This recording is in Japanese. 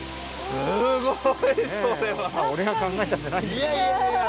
すごい！